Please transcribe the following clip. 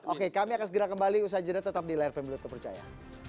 oke kami akan segera kembali usaha jeda tetap di layar pemilu terpercaya